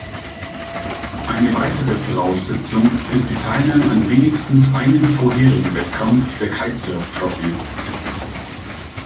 Eine weitere Voraussetzung ist die Teilnahme an wenigstens einem vorherigen Wettkampf der Kitesurf-Trophy.